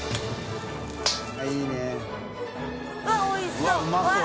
うわおいしそう！